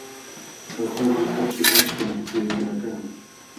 Jauja malkaćhu achkam pukllaykuna kan.